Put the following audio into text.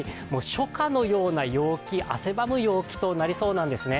初夏のような陽気、汗ばむ陽気となりそうなんですね。